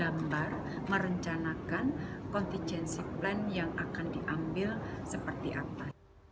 kita menggambar merencanakan konfisiensi plan yang akan diambil seperti apa